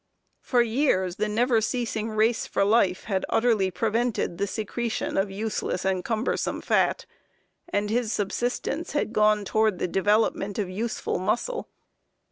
For years the never ceasing race for life had utterly prevented the secretion of useless and cumbersome fat, and his "subsistence" had gone toward the development of useful muscle.